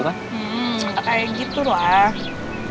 kayak gitu loh